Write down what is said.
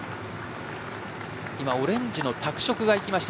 オレンジの拓殖が行きました。